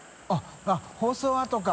△放送あとか。